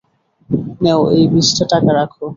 নেও, এই বিশটা টাকা রাখ।